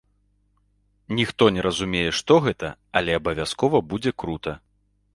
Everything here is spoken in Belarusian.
Ніхто не разумее, што гэта, але абавязкова будзе крута!